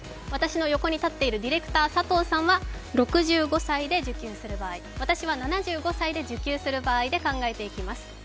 私の横に立っているディレクター・サトウさんは６５歳で受給する場合、私は７５歳で受給する場合を比較します。